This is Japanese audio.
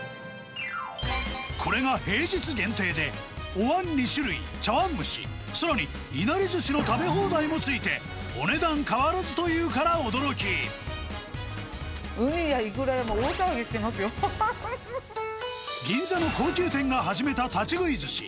これが平日限定で、おわん２種類、茶わん蒸し、さらにいなりずしの食べ放題もついて、ウニやイクラがもう、大騒ぎ銀座の高級店が始めた立ち食いずし。